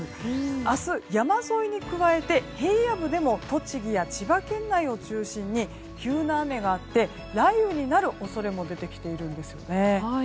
明日、山沿いに加えて平野部でも栃木や千葉県内を中心に急な雨があって雷雨になる恐れも出てきているんです。